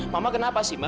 mama kenapa sih ma